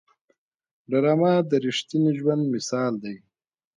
ډرامه د رښتیني ژوند مثال دی